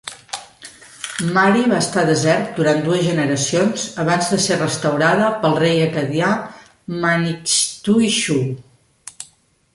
Mari va estar desert durant dues generacions abans de ser restaurada pel rei acadià Manixtuixu.